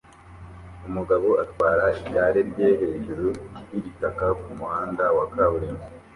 Umugabo atwara igare rye hejuru yigitaka kumuhanda wa kaburimbo